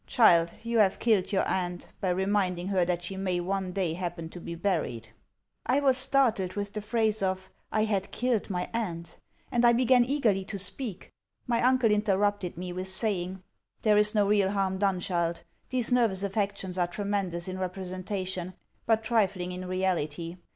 Child, you have killed your aunt, by reminding her that she may one day happen to be buried.' I was startled with the phrase of, I had killed my aunt; and I began eagerly to speak. My uncle interrupted me with saying: 'There is no real harm done, child. These nervous affections are tremendous in representation, but trifling in reality.